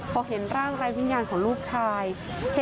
พ่อแม่มาเห็นสภาพศพของลูกร้องไห้กันครับขาดใจ